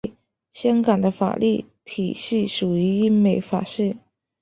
香港的法律体系属于英美法系。